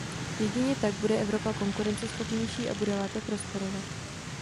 Jedině tak bude Evropa konkurenceschopnější a bude lépe prosperovat.